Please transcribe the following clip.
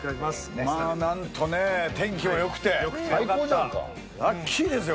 まあなんとね天気もよくてラッキーですよ